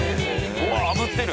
うわあぶってる。